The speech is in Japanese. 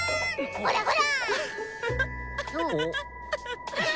ほらほら！